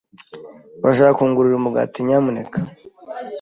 Urashaka kungurira umugati, nyamuneka?